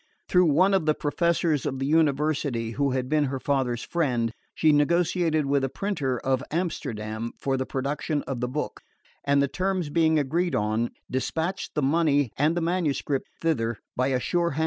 Through one of the professors of the University, who had been her father's friend, she negotiated with a printer of Amsterdam for the production of the book, and the terms being agreed on, despatched the money and the manuscript thither by a sure hand.